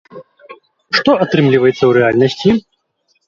Што атрымліваецца ў рэальнасці?